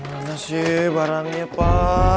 bagaimana sih mana sih barangnya pa